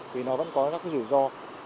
vì nó vẫn có các rủi ro